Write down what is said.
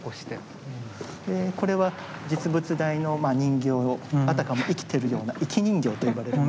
これは実物大の人形をあたかも生きてるような生き人形と呼ばれる。